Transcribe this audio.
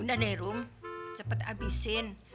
udah deh rum cepet abisin